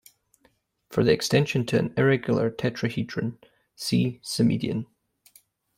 For the extension to an irregular tetrahedron see symmedian.